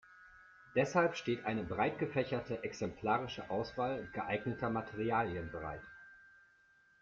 Deshalb steht eine breitgefächerte exemplarische Auswahl geeigneter Materialien bereit.